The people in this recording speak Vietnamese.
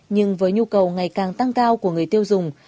nhưng với nhu cầu ngày càng tăng cao của người tiêu dùng